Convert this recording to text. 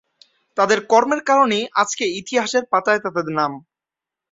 তাদের কর্মের কারণেই আজকে ইতিহাসের পাতায় তাদের নাম।